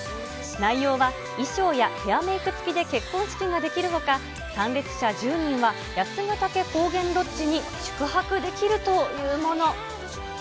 内容は衣装やヘアメーク付きで結婚式ができるほか、参列者１０人は、八ヶ岳高原ロッジに宿泊できるというもの。